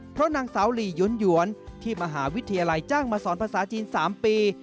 เพราะนางสาวหลียวนที่มหาวิทยาลัยจ้างมาสอนภาษาจีน๓ปี